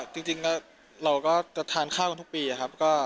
จริงเราก็จะทานข้าวกันทุกปีครับ